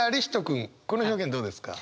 君この表現どうですか？